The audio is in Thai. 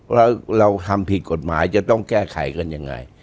แต่เกี่ยวซึ่งแค่เป็นแค่แข่ไขกันยังไง